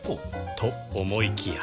と思いきや